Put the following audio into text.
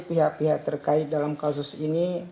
pihak pihak terkait dalam kasus ini